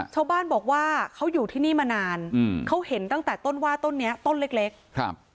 ชาวบ้านบอกว่าเขาอยู่ที่นี่มานานอืมเขาเห็นตั้งแต่ต้นว่าต้นเนี้ยต้นเล็กเล็กครับ